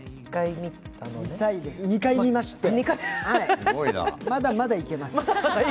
見たいです、２回見まして、まだまだ行けます。